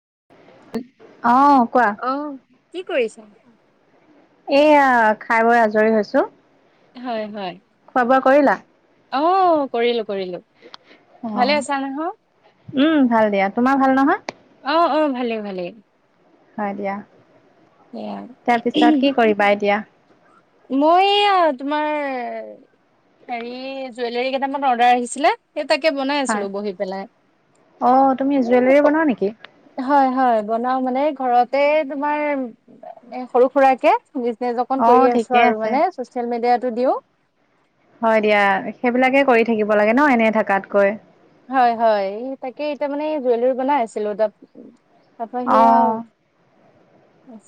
[unintelligible] কোৱা অহ' কি কৰিছা। এয়া, খাই বৈ আজৰি হৈছো। হয়-হয়। খোৱা বোৱা কৰিলা অ', কৰিলোঁ কৰিলোঁ। অ, উম ভাল দিয়া। তোমাৰ ভাল নহয়। ভালেই- ভালেই। হয় দিয়া। তাৰ পিছত কি কৰিবা এতিয়া? মইয়া তোমাৰ। হেৰি জুৱেলৰী কেইটামান অৰ্ডাৰ আহিছিলে। স তাকে বনাই হয়। আছিলো বহি পেলাই অ' তুমি জুৱেলাৰী বনোৱা নেকি? হয় হয়। বনাও মানে ঘৰতে তোমাৰ সৰু সুৰাৰাকে বিজনেচ অকন কৰি অ' আছো ঠিকে আছে। মানে চচিয়েল মিডিয়টো দিও। হয় দিয়া সেইবিলাকে কৰি থাকিব লাগে ন এনে থাকাতকৈ হয় হয় তাকে এতিয়া মানে জুৱেলাৰী বনাই আছিলো। তাৰপা সে আও। অ'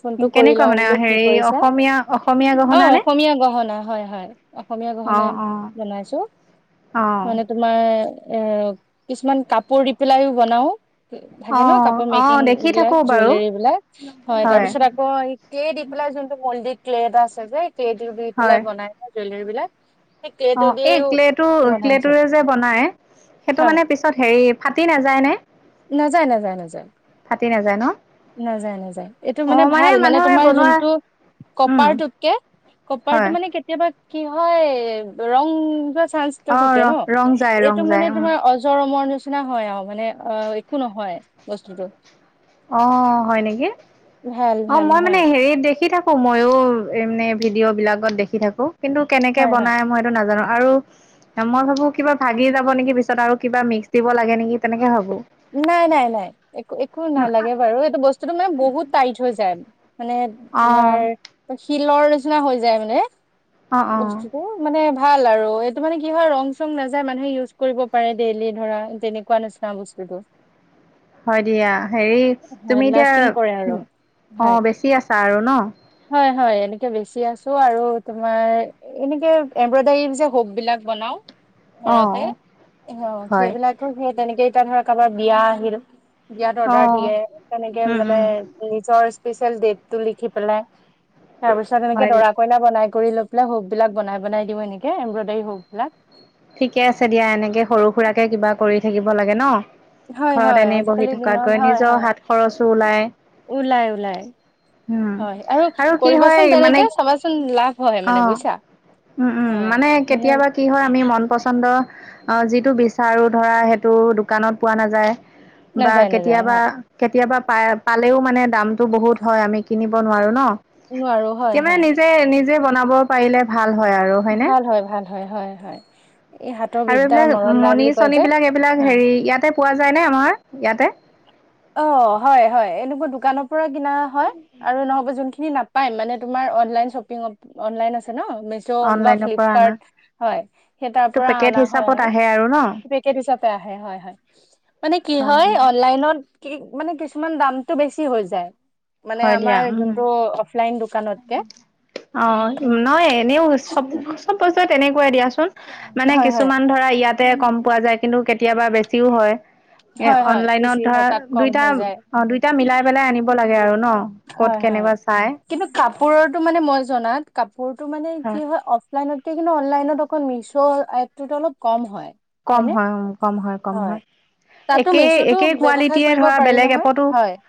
ফোনটো কৰি কেনেকুৱা লও মানে বোলো কি হেৰি কৰিছা অসমীয়া অসমীয়া অ গহনা নে? অসমীয়া গহনা হয় হয়। অসমীয়া গহনাই অ' অ'। বনাইছো অ' মানে তোমাৰ। এ কিছুমান কাপোৰ দি পেলাইও বনাও। থাকে ন কাপোৰ অ' মেকিং অ' দেখি বিলাক থাকো বাৰু জুৱেলৰী বিলাক হয় তাৰ পিছত আকৌ দি। যোনটো মল্ডিক ক্লে এটা আছে যে ক্টো দি পেলাই হয়। বনাই জুৱেলৰী বিলাক। সেই অ, ক্লেটো এই দিও ক্লেটু - বনাইছো ক্লেটুৰে যে বনাই। সেইটো মানে পিছত হেৰি ফাটি নাযায় নে? নাযায়-নাযায়-নাযায়। নাজানো নাযায়-নাযায় এইটো মানে ভাল মানে মানুহে তোমাৰ বনোৱা যোনটো উম কপাৰটোতকে-কপাৰটো হয় মানে কেতিয়াবা কি হয় ৰং য চানসটো অ থাকে ৰং ন ৰং যায় ৰং এইটো যায় মানে উম তোমাৰ অজৰমৰ নিচনা হয় আৰু মানে অ একো নহয় বস্তুটো। অ, হয় নেকি ভাল অ, ভাল মই মানে হয় হেৰি দেখি থাকোঁ ময়ো এই মানে ভিডিঅ'বিলাকত দেখি থাকোঁ কিন্তু কেনেকৈ হয় হয় বনায় মই এইটো নাজানো আৰু মই ভাবো কিবা ভাগি যাব নেকি পিছত আৰু কিবা মিক্স দিব লাগে নেকি তেনেকে ভাবো। নাই - নাই - নাই একো একো নালাগে বাৰু এইটো বস্তুটো মানে বহুত টাইট হৈ যায়। মানে অ তোমাৰ শিলৰ নিচিনা হৈ যায় মানে। অ অ বস্তুটোো মানে ভাল আৰু এইটো মানে কি হয় ৰং চং নাযায় মানুহে ইউজ কৰিব পাৰে ডেইলি ধৰা তেনেকুৱা নিচিনা বস্তু। [unintelligible] হয় দিয়া হেৰি হয় তুমি এতিয়া লাষ্টিং কৰে আৰু অ, হয় বেছি আছা আৰু ন। হয় হয় এনেকে বেচি আছো আৰু তোমাৰ এনেকে এম্ব্ৰইডাৰী যে হোব বিলাক বনাও অ ঘৰতে হয় সেইবিলাকো সেই তেনেকে এতিয়া ধৰ কাৰোবাৰ বিয়া আহিল। বিয়াত অ অৰ্ডাৰ দিয়ে তেনেকে উম মানে উম নিজৰ স্পেচিয়েল ডটটো লিখি পেলাই তাৰ পিছত এনেকে হয় দৰা কইলা বনাই কৰি লৈ পেলাই হৌক বিলাক বনাই-বনাই দিওঁ এনেকে এম্ব্ৰইডাৰী হৌক বিলাক। ঠিকে আছে দিয়া এনেকে সৰু-সুৰাকে কিবা কৰি থাকিব লাগে ন। হয় ঘৰত হয় এনি বহি আজিকালিৰ থকাত দিনত গৈ হয় নিজৰ হয় হাত খৰচো ওলায়। ওলাই ওলাই হয় আৰু কৰিবাচোন মানে তেনেকে চাবাচোন লাভ হয় অ মানে বুজিছা। উম - উম মানে কেতিয়াবা কি হয় আমি মন প পচন্দ যিটো বিচাৰো ধৰা সেইটো দোকানত পোৱা নাযায়। বা নাযায় নাযায় কেতিয়াবা হয় কেতিয়াবা পাই পালেও মানে দামটো বহুত হয় আমি কিনিব নোৱাৰোঁ ন। নোৱাৰো এতিয়া মানে হয়-হয়। নিজে নিজে বনাব পাৰিলে ভাল হয় আৰু হয়নে? ভাল হয় ভাল হয় হয় হয় এই হাতৰ আৰু বিদ্যাৰ এইবিলাক মৰণ নাই মণি বুলি কয় চণি যে বিলাক এইবিলাক হয় হেৰি ইয়াতে পোৱা যায় নে আমাৰ ইয়াতে অ হয় হয় এনেকুৱা দোকানৰ পৰা কিনা হয় আৰু নহব যোনখিনি ন পাই মানে তোমাৰ অনলাইন শ্বপিং অনলাইন আছে ন মিছ' বা অনলাইনৰ পৰা আনা ফ্লিপকাৰ্ট হয় সেই তাৰ এইটো পৰা পেকেট অনা হয় হিচাপত আৰু আহে ন? পেকেট হিচাপে আহে হয় হয় মানে কি হয় অনলাইনত কি মানে কিছুমান দামতটো বেছি হৈ যায় মানে হয় দিয়া আমাৰ উম। যোনটো অ অ নই এনেও চব চব পইচা তেনেকুৱাই দিয়াচোন মানে হয় হয় কিছুমান ধৰা ইয়াত কম পোৱা যায় কিন্তু কেতিয়াবা বেছিও হয় এ হয় হয় অনলাইনত বেছি ধৰা হয় তাত কম দুইটা হৈ যায় অ দুইটা মিলাই পেলাই আনিব লাগে আৰু ন কত হয় হয় কেনেবা চাই কিন্তু কাপোৰৰটো মানে মই জনাত কাপোৰটো মানে কি হয় অফলাইনতকৈ কিন্তু অনলাইনত অ মিছো এপটোতো অলপ কম হয় কম হয়নে? হয় উ কম হয় কম হয় তাতো একে মিছোতো একে ব্যৱসায় কোৱালিটে কৰিব ধৰা পাৰি বেলেগ নহয় এপতো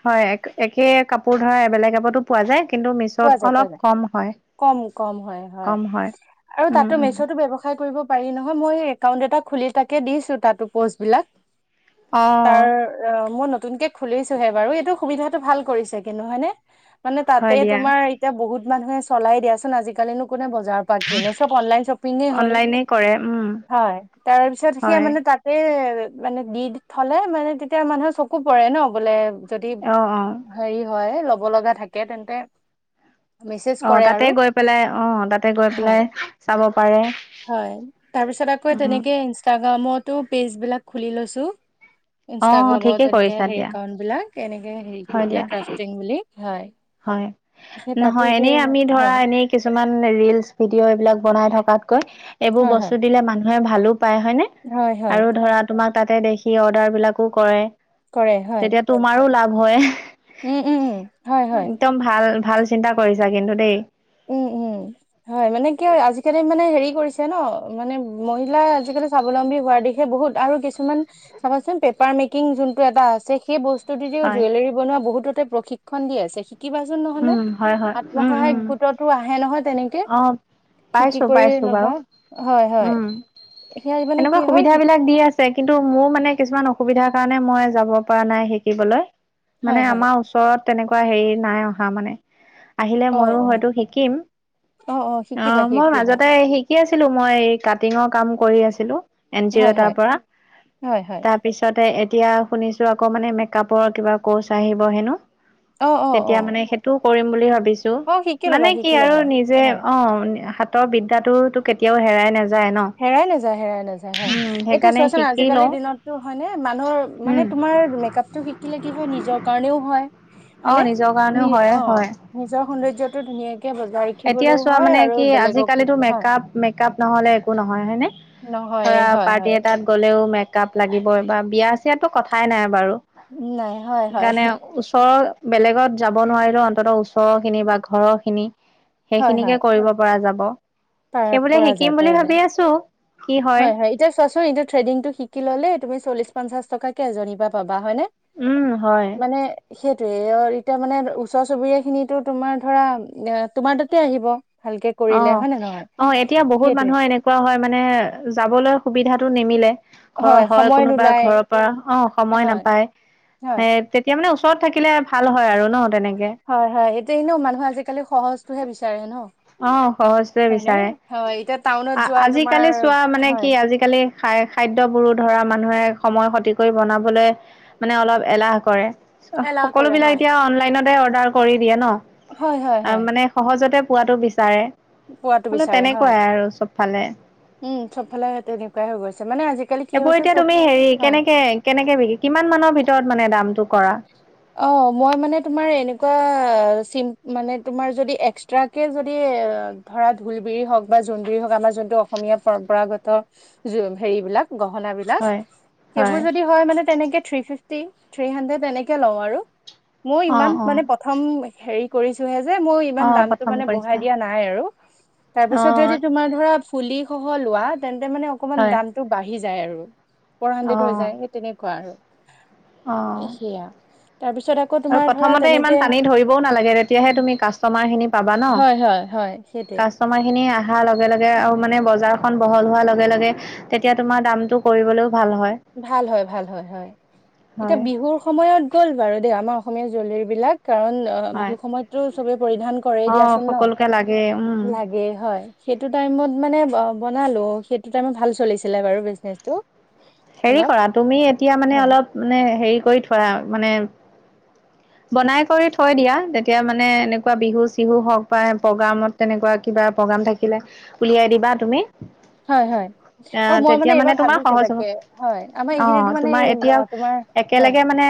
হয় একে কাপোৰ ধৰা বেলেগ পতো পোৱা যায় কিন্তু মিছত পোৱা যায় পোৱা অলপ যায় কম হয় কম কম হয় হয় আৰু উম তাতো উম মেচতো ব্যয়ৱসায় কৰিব পাৰি নহয় মোৰো হেই একাউণ্ট এটা খুলি তাকে দিছিলোঁ তাতো পোষ্ট বিলাক অ তাৰ মনত নতুনকে খুলিছোহে বাৰু এইটো সুবিধাটো ভাল কৰিছে কিন্তু হয়নেে মানে তাতে হয় দিয়া তোমাৰ এতিয়া বহুত মানুহে চলাই দিয়াচুন আজিকালিনো কোনে বজাৰলৈ জাৰ পা এনে চব অনলাইন শ্বপিঙে হ'ল অনলাইনে কৰে উম হয় তাৰ পিছত সে হয় মানে তাতে মানে দি থলে মানে তেতিয়া মানুহে চকু পৰে ন বোলে যদি অ অ হেৰি হয় ল'ব লগা থাকে তেন্তে মেছেজ অ কৰে তাতে আৰু গৈ পেলাই অ তাতে গৈ পেলাই হয় চাব পাৰে হয় তাৰপিছত আকৌ উম তেনেকে ইনষ্টাগ্ৰামতো পেজ বিলাক খুলি লৈছো অ ঠিকেই ইনষ্টাগ্ৰামত এনেকে কৰিছা স দিয়া একাউন্ট বিলাক এনেকে হেৰি হয় কৰি দিয়া পেলাই ক্ৰাফটিং বুলি হয় হয় সেই তাতো নহয় সেই এনেই আমি ধৰা হয় এনে কিছুমান ৰিলচ ভিডিঅ' এইবিলাক বনাই থকাতকৈ এইবোৰ হয় হয় বস্তু দিলে মানুহে ভালো পায় হয়নে হয় হয় আৰু ধৰা তোমাক তাতে দেখি অৰ্ডাৰ বিলাকো কৰে কৰে হয় তেতিয়া তোমাৰো লাভ হয় উম উম উম হয় হয় একদম ভাল ভাল চিন্তা কৰিছা কিন্তু দেই উম উম হয় মানে কি হয় আজিকালি মানে হেৰি কৰিছে ন মানে মহিলা আজিকালি স্বাৱলম্বী হোৱাৰ দিশে বহুত আৰু কিছুমান চাবচোনে পেপাৰ মেকিং যোনটো এটা আছে সেই বস্তুটোদি হয় জুৱেলৰী বনোৱা বহুততে প্ৰশিক্ষণ দি আছে শিকিবাচোন নহলে উম হয় হয় উম আত্মসহায়ক উম গোটতো আহে নহয় তেনেকে অ শিকি পাইছো কৰি পাইছো ল'বা বাৰু হয় হয় উম। সেয়া মানে এনেকুৱা কি হয় সুবিধা শি বিলাক দি আছে কিন্তু মোৰ মানে কিছুমান অস অসুবিধাৰ কাৰণে মই যাব পৰা নাই শিকিবলৈ হয় মানে হয় আমাৰ ওচৰত তেনেকুৱা হেৰি নাই অ আহা মানে আহিলে অ ময়ো অ হয়তো শিকিম অ অ শিকিবা মই শিকিবা মাজতে শিকি আছিলো মই কাটিঙৰ কাম কৰি আছিলো এন জি অ' হয় তাৰ হয় পৰা হয় হয় তাৰপিছতে এতিয়া শুনিছো আকৌ মানে মেকআপৰ কিবা ক'ৰ্চ আহিব হেনো অ অ অ তেতিয়া মানে সেইটোও কৰিম বুলি ভাবিছো অ শিকি ল'বা মানে কি শিকি আৰু ল'বা নিজে হয় অ হাতৰ বিদ্যাতো তো কেতিয়াও হেৰাই নাযায় ন হেৰাই নাযায় হেৰাই নাযায় হয় উম এতিয়া সেইকাৰণে চোৱাচোন শিকি লওঁ আজিকালিৰ দিনততটো হয়নেে মানুহৰ মানে উম তোমাৰ মেকআপ টো শিকিলে কি হয় নিজৰ কাৰণেও হয় অ হয়নে নিজৰ কাৰণেও নি হয় অ হয় নিজৰ সৌন্দৰ্য টো ধুনীয়াকে বজাই ৰাখিব এতিয়া চোৱা মানে কি আজিকালিতো মেকআপ মেকআপ নহ'লে একো নহয় হয়নে নহয় ধৰা হয় পাৰ্টি হয় এটাত গলেও মেকপ লাগিব বা বিয়া চিয়াতটো কথাই নাই বাৰু নাই হয় হয় কাৰণে ওচৰৰ বেলেগত যাব নোৱাৰিলেও অন্তত ওচৰৰ খিনি বা ঘৰৰ খিনি হয় সেইখিনিকে হয় কৰিব পৰা যাব পাৰা সেইবোলিয়ে পৰা শিকিম যায় বুলি পৰা যায় ভাবি আছো হয় হয় এতিয়া চোৱাচোন এতিয়া ঠেদিং শিকিললে তুমি্ চলিছ পঞ্চাশ টকাকে এজনী পৰা পাবা হয়নে উম হয় মানে সেইটোৱেই এতিয়া মানে ওচৰ চুবুৰীয়া খিনি তোমাৰ ধৰা তোমাৰ তাতে আহিব ভালকে অ কৰিলে হয় নে নহয় অ এতিয়া বহুত সেইটোয়ে মানুহৰ এনেকুৱা হয় মানে যাবলৈ সুবিধাটো নিমিলে ঘৰৰ হয় সময় কোনোবা নোলায় ঘৰৰ পৰা অ সময় হয় নাপায় হয় এ তেতিয়া মানে ওচৰত থাকিলে ভাল হয় আৰু ন তেনেক হয় হয় এটোয়া এনেও মানুহ আজিকালি সহজটোহে বিচাৰে ন অ সহজটোৱে হয়নে বিচাৰে হয় এতিয়া টাউনত যোৱা তোমাৰ আজিকালি চোৱা মানে হয় কি আজিকালি খাদ্যবোৰো ধৰা মানুহে সময় ক্ষতি কৰি বনাবলৈ মানে অলপ এলাহ কৰে এলাহ কৰে সকলোবিলাক হয় এতিয়া অনলাইনতে অৰ্ডাৰ কৰি দিয়ে হয় হয় ন মানে সহজতে পোৱাতটো বিচাৰে পোৱটো হলেও বিচাৰে হয় তেনেকুৱাই আৰু চবফালে উম চবফালে তেনেকুৱাই হৈ গৈছে মানে আজি এইবোৰ এতিয়া তুমি হেৰি কেনেকে কেনেকে বিকি কিমান মানৰ ভিতৰত মানে দামটো কৰা অ মই মানে তোমাৰ এনেকুৱা [unintelligible] টৌ অসমীয়া পৰম্পৰাগত হেৰিবলাক গহ বিলাক হয় সেইবোৰ যদি হয় মানে তেনেকে থ্ৰি ফিফটি থ্ৰি হাড্ৰেড তেনেকে লওঁ আৰু মই অ ইমান অ মানে প্ৰথম হেৰি কৰিছো হে যে মই অ ই দটো প্ৰথম মানে ব কৰিছা দিয়া নাই আৰু অ তাৰপিছত যদি তোমাৰ ধ শ লোৱা তেন্তে মানে অকমান হয় দামতটো বাঢ়ি যায় আৰু ফৰ হাণ্ড্ৰেড হৈ যায় সেই তেনেকুৱা আৰু আহ সেয়া তাৰপিছত আকৌ আৰু তোমাৰ ধৰা প্ৰথমতে ইমান তেনেকে টানি ধৰিবও নালাগে তেতিয়াহে উম, তুমি কাষ্টমাৰ খিনি পাবা ন হয় হয় হয় সেইটোৱে কাষ্টমাৰ খিনি অহাৰ লগে লগে আৰু মানে বজাৰখন বহল হোৱাৰ লগে লগে তেতিয়া তোমাৰ দামটো কৰিবলৈ ভাল হয় ভাল হয় হয় এতিয়া হয়। বিহুৰ সময়ত গ'ল বাৰু দেই আমাৰ অসমীয়া জুয়েলাৰি বিলাক কাৰণ অ হয়। বিহু সময়ততো চবে পৰিধান কৰেই অ' দিয়াচোন সকলোকে লাগে উম। ন লাগেই হয় সেইটো টাইমত মানে বনালো সেইটো টাইমত ভাল চলিছিলে বাৰু বিজনেচটো হেৰি অলপ কৰা তুমি এতিয়া মানে হয় অলপ মানে হেৰি কৰি থোৱা মানে বনাই কৰি থৈ দিয়া তেতিয়া মানে এনেকুৱা বিহু- চিহু হওক বা প্ৰগ্ৰামত তেনেকুৱা কিবা প্ৰগ্ৰাম থাকিলে উলিয়াই দিবা তুমি। [unintelligible] হয় হয় আৰু আহ মই মানে তেতিয়া এইবাৰ তোমাৰ ভাবিছো সহজ হ'ব। তাকে হয় আমাৰ এইখিনিতো অ', মানে তোমাৰ এতিয়া তোমাৰ হয় একেলগে মানে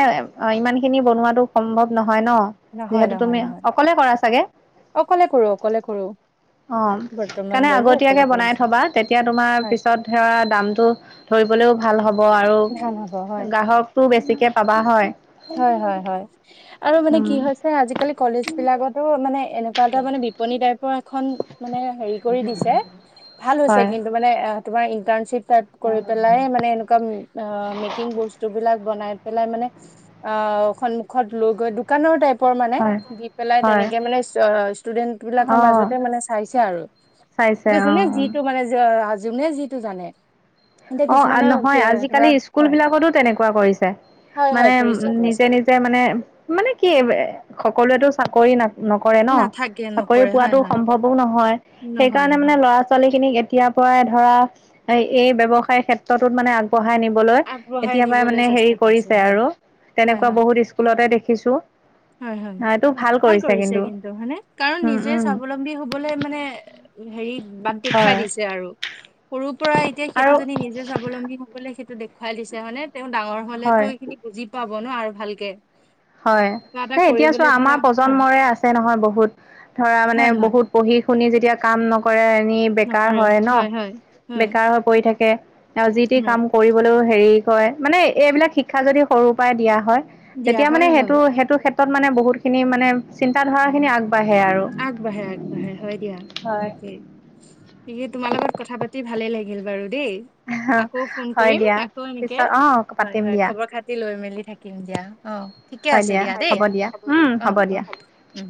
অ ইমান খিনি বনোৱা সম্ভৱ নহয় ন নহয় যিহেতু নহয় তুমি নহয় অকলে কৰা চাগে? অকলে কৰো অকলে কৰো। অ' বৰ্তমান কাৰণে বাৰু অকলে আগতীয়াকে কৰি বনাই আছো থবা তেতিয়া তোমাৰ হয় পিছত সে দামতটো ধৰিবলৈও ভাল হ'ব আৰু ভাল হ'ব হয় গ্ৰাহকটো বেছিকৈ পাবা হয় হয় হয় হয়। আৰু মানে উম, কি হৈছে আজিকালি কলেজ বিলাকতো মানে এনেকুৱা এটা মানে বিপণী টাইপৰ এখন মানে হেৰি কৰি দিছে ভাল হৈছে হয়, কিন্তু মানে তোমাৰ ইন্টাৰ্ণশ্বিপ কৰি পেলাই মানে এনেকুৱা মেকিং বস্তু বিলাক বনাই পেলাই মানে অ সন্মুখত লৈ গৈ দোকানৰ টাইপ পৰ মানে হয়। দি পেলাই হয়, তেনেকে মানে ষ্টুডেন্ট বিলাকৰ অ', মাজতে মানে চাইছে আৰু চাইছে দে অ', জোনে অ'। যিটো মানে জোনে যিটো জানে এতিয়া অ' কিছুমানৰ নহয় ধৰা আজিকালি স্কুল হয় বিলাকতো তেনেকুৱা কৰিছে হয় মানে হয় কৰিছে উ কৰিছে নিজে নিজে মানে মানে কি সকলোৱেতো চাকৰি ন নকৰে ন নাথাকে চাকৰি নকৰে হয় পোৱাতো হয় সম্ভৱও নহয় নহয় সেইকাৰণে নহয় মানে ল'ৰা ছোৱালী খিনিক কেতিয়াৰ পৰাই ধৰা এই ব্যৱসায় ক্ষেত্ৰতোত মানে আগবঢ়াই নিব আগবঢ়াই এতিয়াৰ পৰাই নিবলৈ মানে চেষ্টা হেৰি কৰিছে হয়, আৰু হয়, তেনেকুৱা হয়, বহুত স্কুলতে দেখিছো হয় হয় ভাল কৰিছে কিন্তু হানে কাৰণ উম নিজে উম স্বাৱলম্বী হবলৈ মানে। হেৰি বাদ দেখুৱাই হয় দিছে আৰু সৰুৰ পৰা এতিয়া আৰু সেইটো জেনী নিজে স্বাৱলম্বী হবলে সেইটো দেখুৱাই দিছে মানে তেওঁ ডাঙৰ হলেতো হয় এইখিনি বুজি। পাব ন আৰু ভালকে। হয় কিবা এটা এতিয়া কৰিবলৈ চোৱা ধৰা আমাৰ হয়, প্ৰজন্মৰে আছে নহয় বহুত ধৰা মানে হয়, হয়, বহুত পঢ়ি। শুনি যেতিয়া কাম নকৰে এনেই বেকাৰ নকৰে হয় হয়, ন হয়, বেকাৰ হৈ পৰি থাকে। আৰু যি টি হয়। কাম কৰিবলৈও হেৰি কয় মানে এইবিলাক শিক্ষা যদি সৰুৰ পৰাই দিয়া হয়। দিয়া এতিয়া মানে হয়, হয়, সেইটো সেইটো ক্ষেত্ৰত মানে বহুতখিনি মানে চিন্তাধাৰাখি আগ আগবাঢ়ে আগবাঢ়ে হয় দিয়া হয় তাকেই সে তোমাৰ লগত কথা পাতি ভালে লাগিল বাৰু দেই আকৌ ফোন হয় কৰিম দিয়া আকৌ এনেকে পিছত অ হয় পাতিম হয় দিয়া খবৰ খাতি লৈ মেলি। থাকিম দিয়া আহ ঠিকে হয় আছে দিয়া দেই হ'ব দিয়া উম আহ হ'ব অ দিয়া উম।